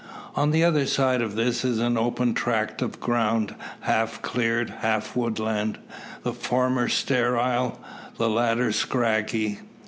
On the other side of this is an open tract of ground, half cleared, half woodland; the former sterile, the latter scraggy.